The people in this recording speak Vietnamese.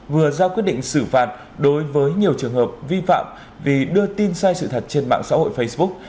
vừa ra quyết định xử phạt đối với nhiều trường hợp vi phạm vì đưa tin sai sự thật trên mạng xã hội facebook